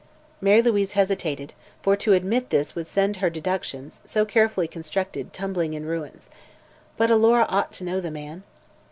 Mary Louise hesitated, for to admit this would send her deductions, so carefully constructed, tumbling in ruins. But Alora ought to know the man.